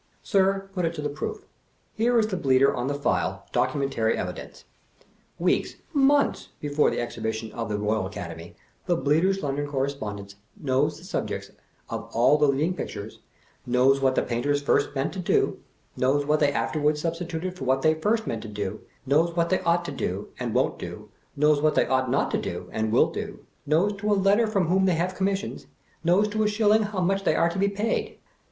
Sir, put it to the proof. There is the Bleater on the file — documentary evidence. Weeks, months, before the Ex 304 "the tattlesnivel bleater." Mbition of the Eoyal Academy, the Bleat&r's London Cor respondent knows the subjects of all the leading pictures, knows what the painters first meant to do, knows what they afterward substituted for what they first meant to do, knows what they ought to do and won't do, knows what they ought not to do and will do, knows to a letter from whom they have commissions, knows to a shilling how much they are to be paid.